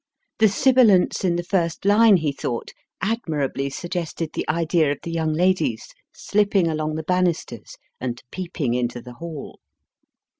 The sibilants in the first line, he thought, admirably suggested the idea of the young ladies slipping along the banisters and peeping into the hall